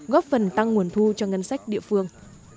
góp phần tăng nguồn thu cho ngân sách địa phương